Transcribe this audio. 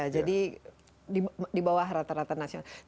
jadi di bawah rata rata nasional